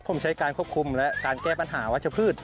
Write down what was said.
ผมใช้การควบคุมและการแก้ปัญหาวัชพืช